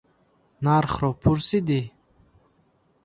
Нархро пурсидӣ?